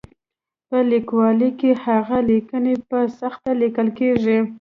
په لیکوالۍ کې هغه لیکنې په سخته لیکل کېږي.